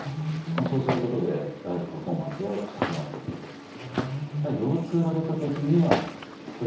そうすることでライフパフォーマンスは高まっていくと思います。